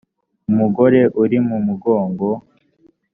umugore uri mu mugongo